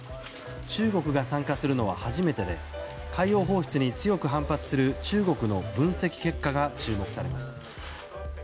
中国が参加するのは初めてで海洋放出に強く反発する中国の分析結果が注目されます。